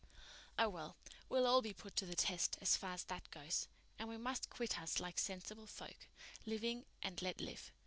"Oh, well, we'll all be put to the test, as far as that goes. And we must quit us like sensible folk, living and let live.